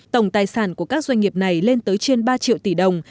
tổng tài sản của các doanh nghiệp này lên tới trên ba triệu tỷ đồng